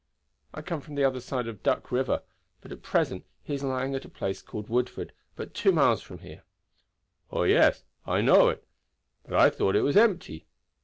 "I come from the other side of the Duck river. But at present he is lying at a place called Woodford, but two miles from here." "Oh, yes! I know it. But I thought it was empty.